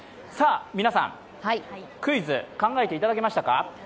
皆さん、クイズ、考えていただけましたか？